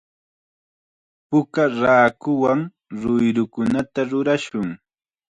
Puka raakuwan ruyrukunata rurashun.